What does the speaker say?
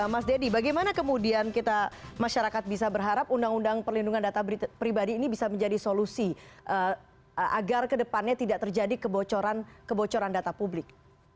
mas deddy bagaimana kemudian kita masyarakat bisa berharap undang undang perlindungan data pribadi ini bisa menjadi solusi agar kedepannya tidak terjadi kebocoran data publik